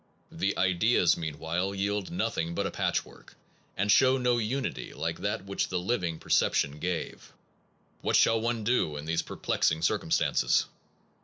The ideas meanwhile yield nothing but a patchwork, and show no unity like that which the living per ception gave. What shall one do in these per plexing circumstances?